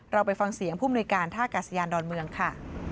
เราไปฟังเสียงผู้มนุยการท่ากาศยานดอนเมืองค่ะ